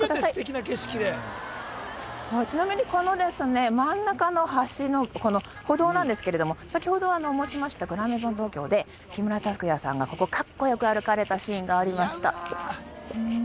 あちなみにこのですね真ん中の橋の歩道なんですが先ほど申しました「グランメゾン東京」で木村拓哉さんがここカッコよく歩かれたシーンがありました